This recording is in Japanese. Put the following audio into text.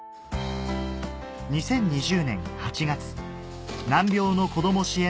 ２０２０年８月難病のこども支援